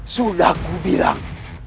sudah ku bilang